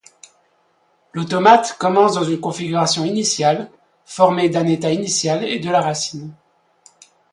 L'automate commence dans une configuration initiale formée d'un état initial et de la racine.